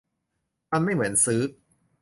มันไม่เหมือนซื้อ